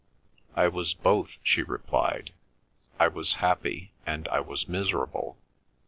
"I was both," she replied. "I was happy and I was miserable.